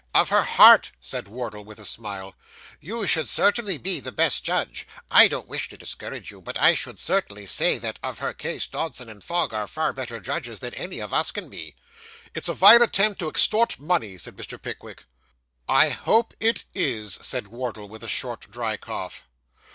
Of her heart,' said Wardle, with a smile, 'you should certainly be the best judge. I don't wish to discourage you, but I should certainly say that, of her case, Dodson and Fogg are far better judges than any of us can be.' 'It's a vile attempt to extort money,' said Mr. Pickwick. 'I hope it is,' said Wardle, with a short, dry cough.